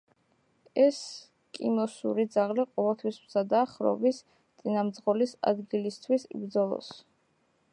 ესკიმოსური ძაღლი ყოველთვის მზადაა ხროვის წინამძღოლის ადგილისთვის იბრძოლოს.